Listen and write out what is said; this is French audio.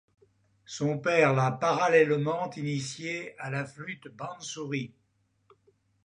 Son père l’a parallèlement initié à la flûte bānsurī.